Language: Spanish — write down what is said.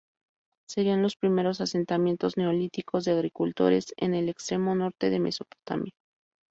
Serían los primeros asentamientos neolíticos de agricultores en el extremo norte de Mesopotamia.